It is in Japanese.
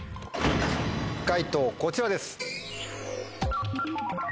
解答こちらです。